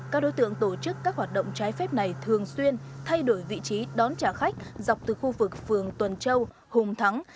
các đối tượng tổ chức các hoạt động trái phép này thường xuyên thay đổi vị trí đón trả khách dọc từ khu vực phường tuần châu hùng thắng